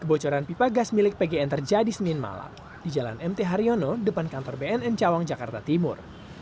kebocoran pipa gas milik pgn terjadi senin malam di jalan mt haryono depan kantor bnn cawang jakarta timur